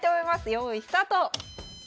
よいスタート！